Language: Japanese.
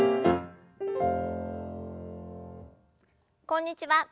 こんにちは